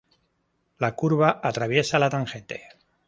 La curva "atraviesa" la tangente.